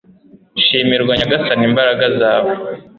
shimirwa nyagasani, imbaraga zawe